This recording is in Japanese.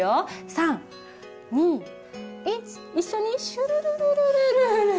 ３２１一緒にしゅるるるるるる。